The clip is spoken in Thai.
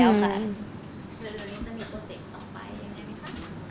เดี๋ยวนี้จะมีโปรเจกต์ต่อไปยังไงไหมคะ